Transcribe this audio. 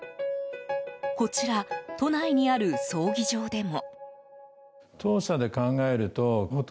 こちら、都内にある葬儀場でも。